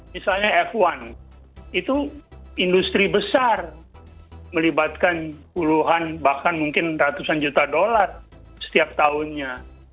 misalnya f satu itu industri besar melibatkan puluhan bahkan mungkin ratusan juta dolar setiap tahunnya